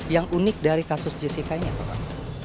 yang unik dari kasus jessica ini apa pak